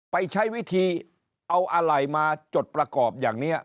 ไปใช้วิธีเอาอะไรมาจดประกอบอย่างนี้